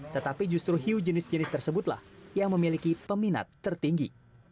tetapi justru hiu jenis jenis tersebutlah yang memiliki peminat tertinggi